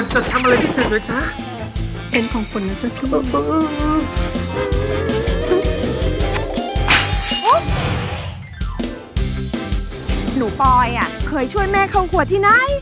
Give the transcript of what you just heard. หนูปอยเคยช่วยแม่เข้าขวดที่ไหน